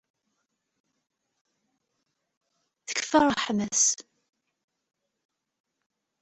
Tekfa ṛṛeḥma-s?